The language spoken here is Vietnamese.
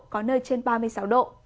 có nơi trên ba mươi sáu độ